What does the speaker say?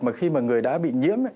mà khi mà người đã bị nhiễm